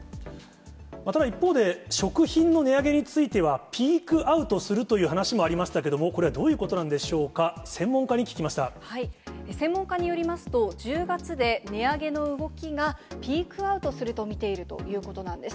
ただ一方で、食品の値上げについては、ピークアウトするという話もありましたけれども、これはどういうことなんでしょうか、専門家に聞きまし専門家によりますと、１０月で値上げの動きがピークアウトすると見ているということなんです。